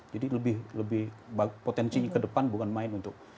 jadi lebih lebih potensi ke depan bukan main untuk